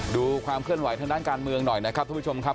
ดูความเคลื่อนไหวทางด้านการเมืองหน่อยนะครับทุกผู้ชมครับ